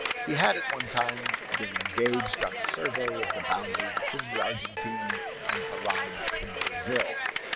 He had at one time been engaged on a survey of the boundary between the Argentine and Parana and Brazil.